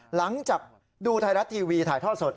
หลังจากดูไทยรัฐทีวีถ่ายทอดสด